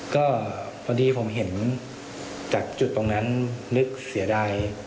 ก็พอดีผมเห็นจากจุดตรงนั้นนึกเสียดาย